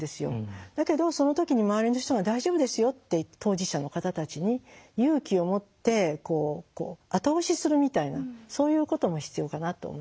だけどその時に周りの人が「大丈夫ですよ」って当事者の方たちに勇気を持ってこう後押しするみたいなそういうことも必要かなと思いました。